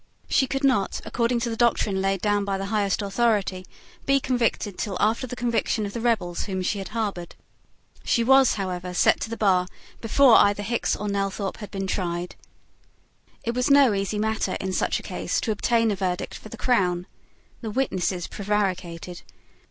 She could not, according to the doctrine laid down by the highest authority, be convicted till after the conviction of the rebels whom she had harboured. She was, however, set to the bar before either Hickes or Nelthorpe had been tried. It was no easy matter in such a case to obtain a verdict for the crown. The witnesses prevaricated.